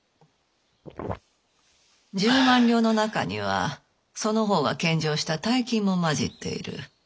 １０万両の中にはその方が献上した大金も混じっている。